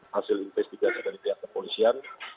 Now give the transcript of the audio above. hasil investigasi dari pihak kepolisian